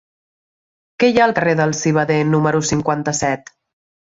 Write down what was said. Què hi ha al carrer del Civader número cinquanta-set?